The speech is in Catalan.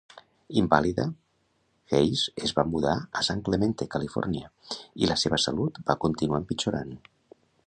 Invàlida, Hayes es va mudar a San Clemente, Califòrnia, i la seva salut va continuar empitjorant.